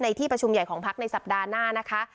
ที่ประชุมใหญ่ของพักในสัปดาห์หน้านะคะ